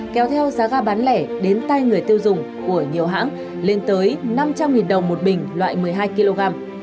kéo theo giá ga bán lẻ đến tay người tiêu dùng của nhiều hãng lên tới năm trăm linh đồng một bình loại một mươi hai kg